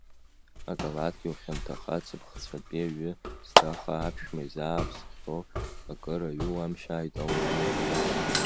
Акалаҭгьы ухьанҭаха, ҵыԥхцәатәи аҩы зҭаха аԥшәма изааԥсахьоу акыр, аҩы уамшьааит, ауалыр!